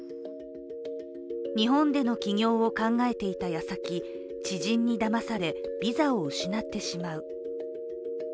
日本での起業を考えていたやさき知人にだまされビザを失ってしまう。